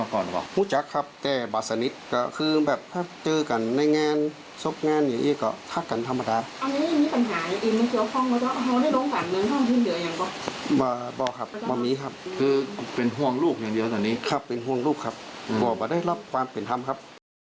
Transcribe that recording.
กลัวว่าได้รับความเป็นธรรมครับ